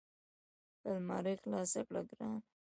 المارۍ خلاصه کړه ګرانه !